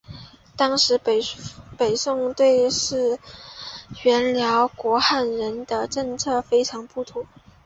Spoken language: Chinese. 当时北宋对待原辽国汉人的政策非常不妥。